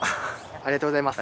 ありがとうございます。